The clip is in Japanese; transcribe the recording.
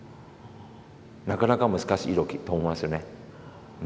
なかなか難しい色と思いますよね。